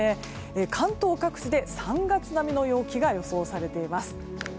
関東各地で３月並みの陽気が予想されています。